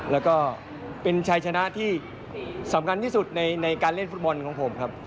แล้วก็เป็นชายชนะที่สำคัญที่สุดในการเล่นฟุตบอลของผมครับ